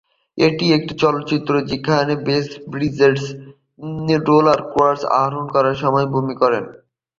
এটি একটি চলচ্চিত্র যেখানে জেফ ব্রিজেস রোলার স্কেটসে আরোহণ করার সময় বমি করে।